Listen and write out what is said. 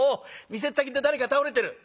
店っ先で誰か倒れてる！